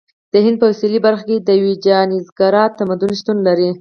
د هند په سویلي برخه کې ویجایاناګرا تمدن شتون درلود.